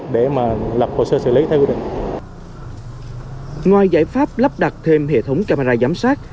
để mà lập hồ sơ xử lý theo quy định ngoài giải pháp lắp đặt thêm hệ thống camera giám sát